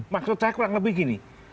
maksud saya kurang lebih gini